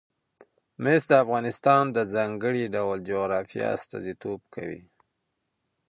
مس د افغانستان د ځانګړي ډول جغرافیه استازیتوب کوي.